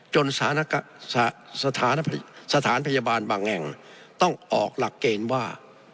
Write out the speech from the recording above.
สถานพยาบาลบางแห่งต้องออกหลักเกณฑ์ว่า